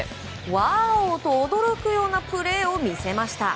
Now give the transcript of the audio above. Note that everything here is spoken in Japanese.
ワオ！と驚くようなプレーを見せました。